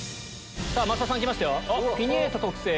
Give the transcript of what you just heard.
さぁ増田さん来ましたよ。